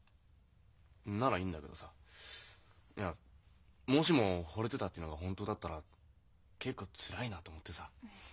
ならいいんだけどさいやもしもほれてたってのが本当だったら結構つらいなと思ってさ。